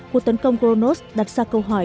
cụ tấn công kronos đặt ra câu hỏi